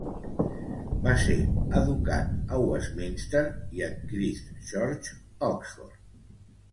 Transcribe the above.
Va ser educat a Westminster i a Christ Church, Oxford.